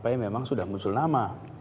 partai memang sudah musul nama